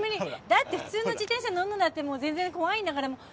だって普通の自転車乗んのだってもう全然怖いんだからもう。